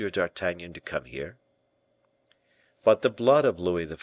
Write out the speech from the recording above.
d'Artagnan to come here." But the blood of Louis XIV.